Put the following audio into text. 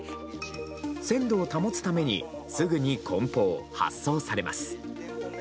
鮮度を保つためにすぐに梱包・発送されます。